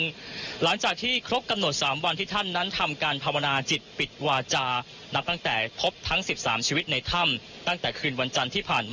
ผ่านเต็มตัวด้านฌาติกับนี้หลังจากที่รังจากที่ครบกำหนด๓วันที่ท่านนั้นทำการพรรณาจิตปิดวาจาตั้งแต่พบทั้ง๑๓ชีวิตในถ้ำตั้งแต่คืนวันจันทร์ที่ผ่านมานะครับ